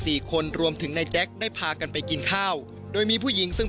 ช่วยเร่งจับตัวคนร้ายให้ได้โดยเร่ง